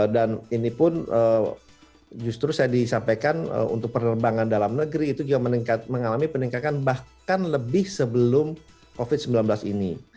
dan ini pun justru saya disampaikan untuk penerbangan dalam negeri itu juga mengalami peningkatan bahkan lebih sebelum covid sembilan belas ini